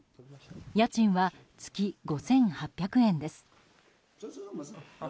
家賃は月５８００円です。